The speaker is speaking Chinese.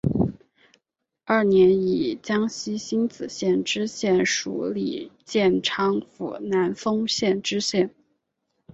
二年以江西星子县知县署理建昌府南丰县知县。